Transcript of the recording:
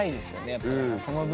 やっぱりその分。